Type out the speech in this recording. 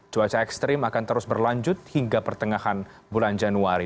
cuaca ekstrim akan terus berlanjut hingga pertengahan bulan januari